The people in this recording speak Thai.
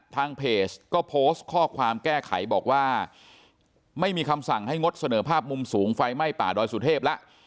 ทางเพจก็โพสต์ข้อความแก้ไขบอกว่าไม่มีคำสั่งให้งดเสนอภาพมุมสูงไฟไหม้ป่าดอยสุเทพแล้ว